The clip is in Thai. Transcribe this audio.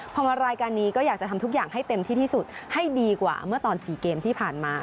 พอมารายการนี้ก็อยากจะทำทุกอย่างให้เต็มที่ที่สุดให้ดีกว่าเมื่อตอน๔เกมที่ผ่านมา